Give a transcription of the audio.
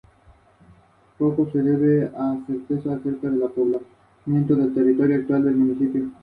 Asimismo fue gobernador de Cádiz.